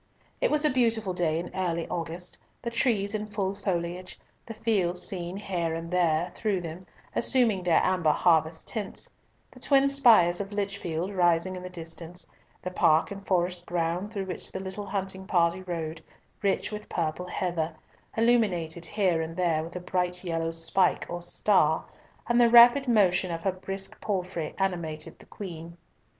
It was a beautiful day in early August, the trees in full foliage, the fields seen here and there through them assuming their amber harvest tints, the twin spires of Lichfield rising in the distance, the park and forest ground through which the little hunting party rode rich with purple heather, illuminated here and there with a bright yellow spike or star, and the rapid motion of her brisk palfrey animated the Queen.